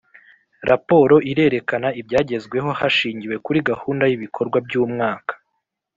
raporo irerekana ibyagezweho hashingiwe kuri gahunda y’ibikorwa by’umwaka